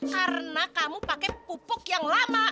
karena kamu pakai pupuk yang lama